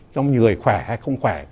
trong người khỏe hay không khỏe